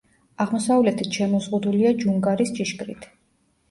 აღმოსავლეთით შემოზღუდულია ჯუნგარის ჭიშკრით.